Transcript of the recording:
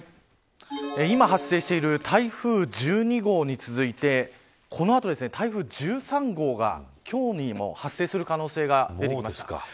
今発生している台風１２号に続いてこの後、台風１３号が今日にも発生する可能性が出てきました。